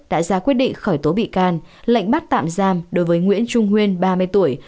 đã ra quyết định khởi tố bị can lệnh bắt tạm giam đối với nguyễn trung nguyên ba mươi tuổi